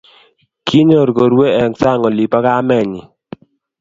Kinyor koruei eng sang olibo kamenyi